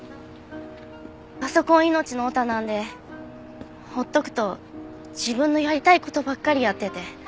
パソコン命のヲタなんでほっとくと自分のやりたい事ばっかりやってて。